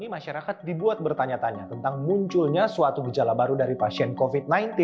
masyarakat dibuat bertanya tanya tentang munculnya suatu gejala baru dari pasien covid sembilan belas